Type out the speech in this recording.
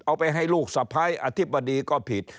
เอาไปให้ลูกสะพ้ายอธิบดีก็ผิด